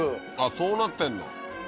そうなってんの？